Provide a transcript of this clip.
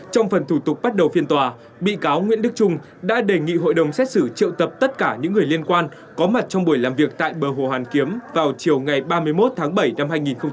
trong phần thủ tục bắt đầu phiên tòa bị cáo nguyễn đức trung đã đề nghị hội đồng xét xử triệu tập tất cả những người liên quan có mặt trong buổi làm việc tại bờ hồ hàn kiếm vào chiều ngày ba mươi một tháng bảy năm hai nghìn hai mươi